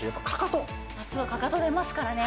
夏はかかと出ますからね。